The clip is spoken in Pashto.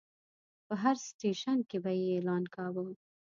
په هر سټیشن کې به یې اعلان کاوه.